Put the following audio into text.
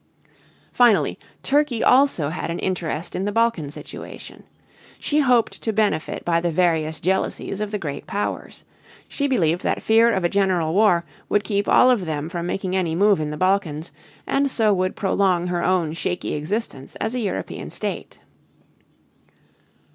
Finally, Turkey also had an interest in the Balkan situation. She hoped to benefit by the various jealousies of the great powers. She believed that fear of a general war would keep all of them from making any move in the Balkans and so would prolong her own shaky existence as a European state.